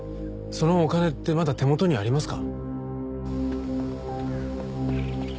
そのお金ってまだ手元にありますか？